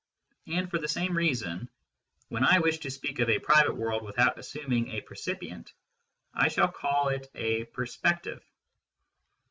And for the same reason, when I wish to speak of a private world without assuming a percipient, I shall call it a " perspective."